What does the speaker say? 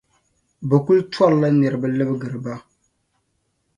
bɛ kul tɔrila niriba libigiri ba.